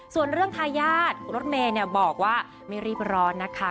ส่วนเรื่องทายาทรถเมย์บอกว่าไม่รีบร้อนนะคะ